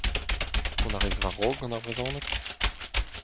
Mont a rez war-raok gant ar brezhoneg ?